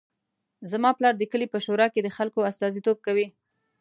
زما پلار د کلي په شورا کې د خلکو استازیتوب کوي